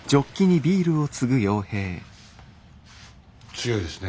強いですね。